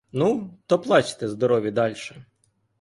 Ну, то плачте, здорові, дальше!